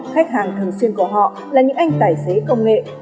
khách hàng thường xuyên của họ là những anh tài xế công nghệ